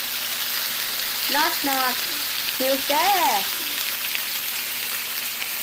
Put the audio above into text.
Knock Knock, Who's There?